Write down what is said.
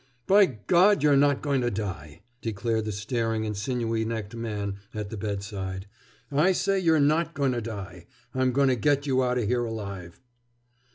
"By God, you're not going to die!" declared the staring and sinewy necked man at the bedside. "I say you're not going to die. I'm going to get you out o' here alive!"